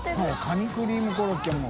カニクリームコロッケも。